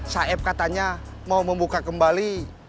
saif katanya mau membuka kembali